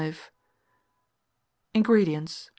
INGREDIENTS.